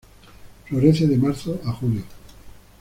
Florece de Marzo a Julio.